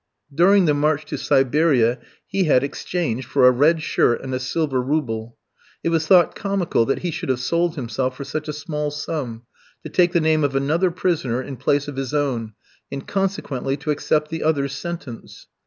During the march to Siberia he had exchanged for a red shirt and a silver rouble. It was thought comical that he should have sold himself for such a small sum, to take the name of another prisoner in place of his own, and consequently to accept the other's sentence.